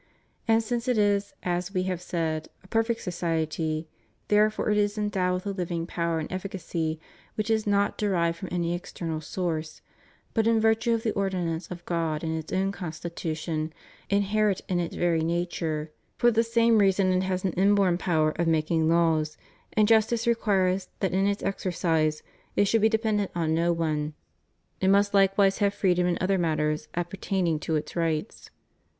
And since it is, as we have said, a perfect society, therefore it is endowed with a living power and efficacy which is not derived from any external source, but in virtue of the ordinance of God and its own constitution, inherent in its very nature; for the same reason it has an inborn power of making laws, and justice requires that in its exercise it should be dependent on no one; it must likewise have freedom in other matters appertaining to its rights.